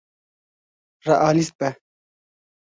Realîst be.